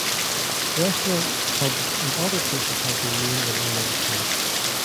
Restaurants, pubs and other places have been named in honour of him.